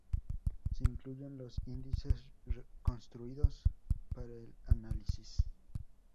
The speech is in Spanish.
Se incluyen los índices construidos para el análisis.